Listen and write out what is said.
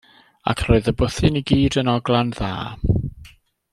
Ac roedd y bwthyn i gyd yn ogla'n dda.